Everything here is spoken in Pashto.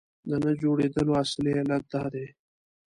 د نه جوړېدلو اصلي علت دا دی.